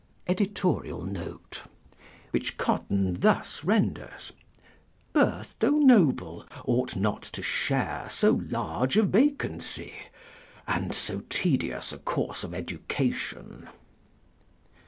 [Which Cotton thus renders: "Birth though noble, ought not to share so large a vacancy, and so tedious a course of education."